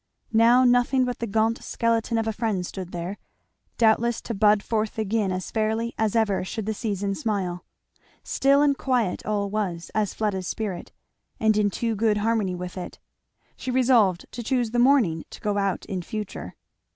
Now nothing but the gaunt skeleton of a friend stood there, doubtless to bud forth again as fairly as ever should the season smile. Still and quiet all was, as Fleda's spirit, and in too good harmony with it; she resolved to choose the morning to go out in future.